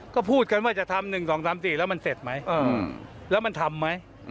ก็พูดกันว่าจะทำ๑๒๓๔แล้วมันเสร็จไหมแล้วมันทำไหม